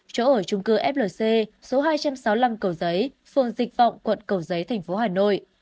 chỗ ở trung cư flc số hai trăm sáu mươi năm cầu giấy phường dịch vọng quận cầu giấy thành phố hà nội